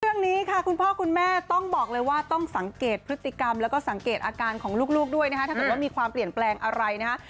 เรื่องนี้ค่ะคุณพ่อคุณแม่ต้องบอกเลยว่าต้องสังเกตพฤติกรรมแล้วก็สังเกตอาการของลูกด้วยนะคะถ้าเกิดว่ามีความเปลี่ยนแปลงอะไรนะฮะ